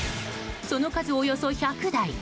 その数、およそ１００台。